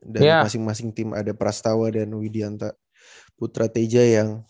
dan masing masing tim ada prastawa dan widianta putra teja yang